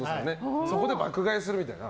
そこで爆買いするみたいな。